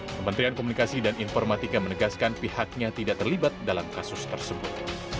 kementerian komunikasi dan informatika menegaskan pihaknya tidak terlibat dalam kasus tersebut